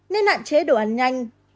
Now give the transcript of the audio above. nên hạn chế đồ ăn nhanh